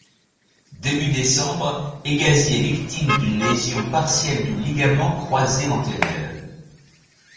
Début décembre, Hegazy est victime d'une lésion partielle du ligament croisé antérieur.